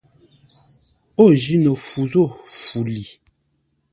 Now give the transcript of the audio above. Ô jí no fu zô fu li.